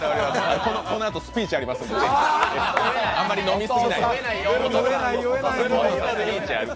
このあとスピーチありますんで、あまり飲み過ぎないように。